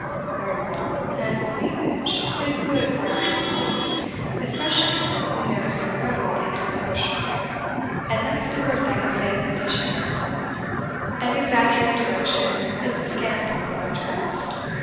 "Very well; and 'leafage' is good for hide and seek; especially when there is no rogue in ambush. And that's the worst I can say of Laetitia Dale. An exaggerated devotion is the scandal of our sex.